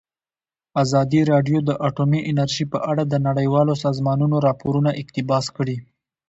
ازادي راډیو د اټومي انرژي په اړه د نړیوالو سازمانونو راپورونه اقتباس کړي.